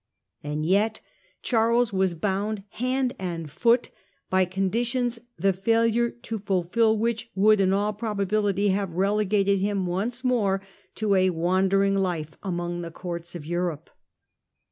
And yet Charles was bound hand and foot by conditions the failure to fulfil which would in all probability have relegated him once more to a wandering life among the courts of Europe.